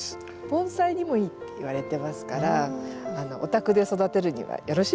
盆栽にもいいっていわれてますからお宅で育てるにはよろしいんじゃないでしょうか。